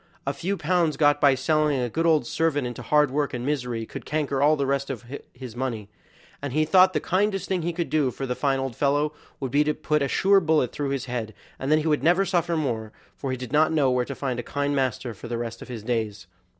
a few pounds got by selling a good old servant into hard work and misery would canker all the rest of his money, and he thought the kindest thing he could do for the fine old fellow would be to put a sure bullet through his head, and then he would never suffer more; for he did not know where to find a kind master for the rest of his days.